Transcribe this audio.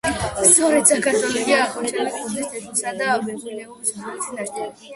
სწორედ საქართველოშია აღმოჩენილი ყურძნის თესლისა და მეღვინეობის უძველესი ნაშთები.